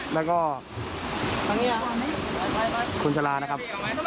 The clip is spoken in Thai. แล้วก็คุณชะลานะครับ